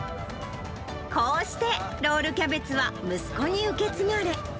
こうして、ロールキャベツは息子に受け継がれ。